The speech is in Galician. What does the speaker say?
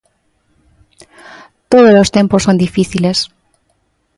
Tódolos tempos son difíciles.